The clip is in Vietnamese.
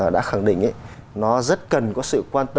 đã khẳng định